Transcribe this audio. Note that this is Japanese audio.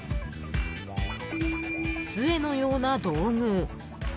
つえのような道具。